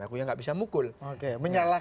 aku yang nggak bisa mukul menyalah